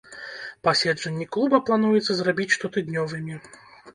Паседжанні клуба плануецца зрабіць штотыднёвымі.